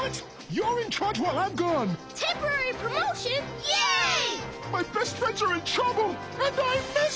よし！